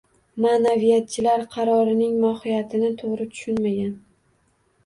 Ma’naviyatchilar qarorining mohiyatini to‘g‘ri tushunmagan.